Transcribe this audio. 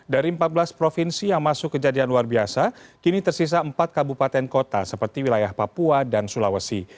dari empat belas provinsi yang masuk kejadian luar biasa kini tersisa empat kabupaten kota seperti wilayah papua dan sulawesi